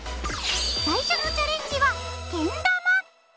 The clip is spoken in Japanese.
最初のチャレンジはけん玉